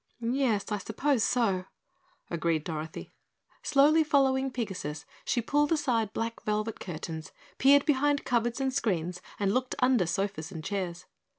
"Yes, I suppose so," agreed Dorothy. Slowly following Pigasus, she pulled aside black velvet curtains, peered behind cupboards and screens and looked under sofas and chairs.